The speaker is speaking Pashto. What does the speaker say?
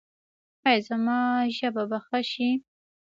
ایا زما ژبه به ښه شي؟